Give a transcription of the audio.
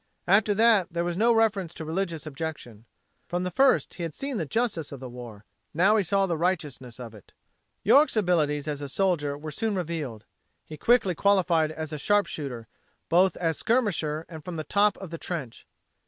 After that there was no reference to religious objection. From the first he had seen the justice of the war. He now saw the righteousness of it. York's abilities as a soldier were soon revealed. He quickly qualified as a sharp shooter, both as skirmisher and from the top of the trench.